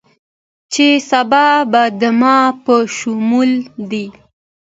چې سبا به دما په شمول دې